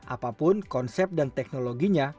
apapun konsep dan teknologinya